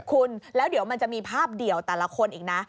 คุณแล้วเดี๋ยวมันจะมีภาพเดี่ยวแต่ละคนอีกนะ